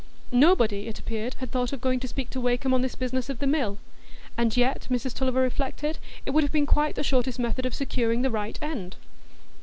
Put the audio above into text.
Nobody, it appeared, had thought of going to speak to Wakem on this business of the mill; and yet, Mrs Tulliver reflected, it would have been quite the shortest method of securing the right end.